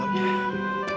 gimana acara makam malam